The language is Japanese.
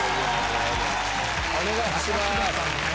お願いします。